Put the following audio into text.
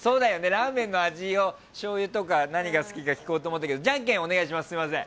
ラーメンの味をしょうゆとか何が好きか聞こうと思ったけどじゃんけんお願いします。